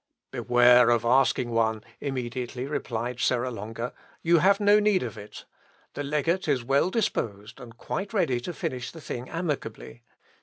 "Beware of asking one," immediately replied Serra Longa; "you have no need of it. The legate is well disposed, and quite ready to finish the thing amicably.